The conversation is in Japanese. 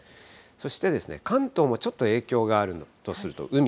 そして、関東もちょっと影響があるとすると海。